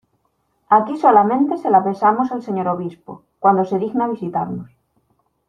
aquí solamente se la besamos al Señor Obispo, cuando se digna visitarnos.